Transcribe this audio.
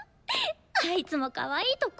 あいつもかわいいとこ。